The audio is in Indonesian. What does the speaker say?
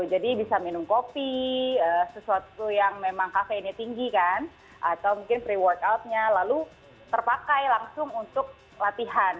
jadi bisa minum kopi sesuatu yang memang kafeinnya tinggi kan atau mungkin pre workoutnya lalu terpakai langsung untuk latihan